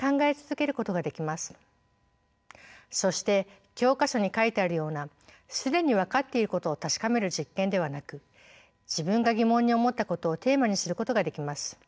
そして教科書に書いてあるような既に分かっていることを確かめる実験ではなく自分が疑問に思ったことをテーマにすることができます。